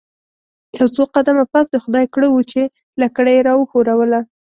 یو څو قدمه پس د خدای کړه وو چې لکړه یې راوښوروله.